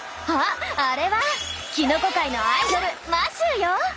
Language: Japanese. あっあれはキノコ界のアイドルマシューよ！